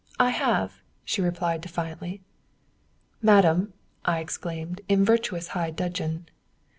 "I have!" she replied defiantly. "Madame!" I exclaimed, in virtuous high dudgeon.